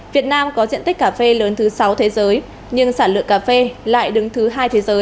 việt nam có diện tích cà phê lớn thứ sáu thế giới nhưng sản lượng cà phê lại đứng thứ hai thế giới